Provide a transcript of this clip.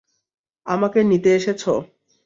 আমাকে নিতে এসেছ।